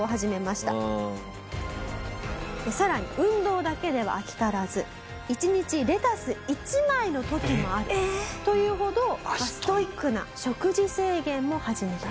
さらに運動だけでは飽き足らず一日レタス１枚の時もあるというほどストイックな食事制限も始めたと。